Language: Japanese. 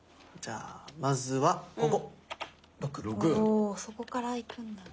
おそこからいくんだ。